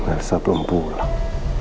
elsa belum pulang